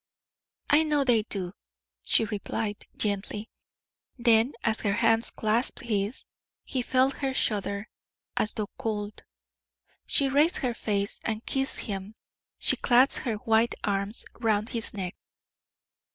"I know they do," she replied, gently. Then, as her hands clasped his, he felt her shudder, as though cold. She raised her face, and kissed him; she clasped her white arms round his neck.